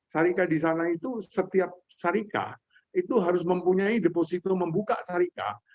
syarikah di sana itu setiap syarikah itu harus mempunyai deposito membuka syarikah